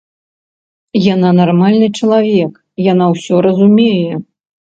Яна нармальны чалавек, яна ўсё разумее.